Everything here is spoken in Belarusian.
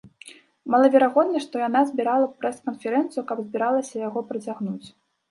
Малаверагодна, што яна збірала б прэс-канферэнцыю, каб збіралася яго працягнуць.